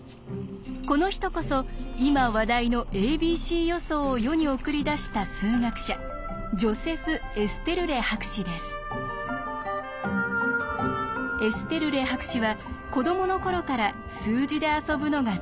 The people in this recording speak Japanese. この人こそ今話題の「ａｂｃ予想」を世に送り出した数学者エステルレ博士は子どもの頃から数字で遊ぶのが大好きだったそうです。